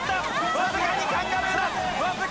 わずかにカンガルーだ！